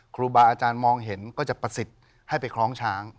ครูบาอาจารย์มองเห็นก็จะประสิทธิ์ให้ไปคล้องช้าง